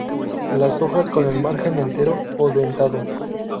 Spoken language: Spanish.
Las hojas con el margen entero o dentado.